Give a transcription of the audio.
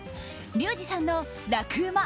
リュウジさんの楽ウマ！